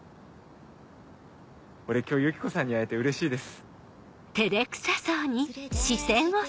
俺今日ユキコさんに会えてうれしいです。